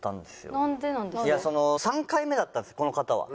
３回目だったんですこの方は。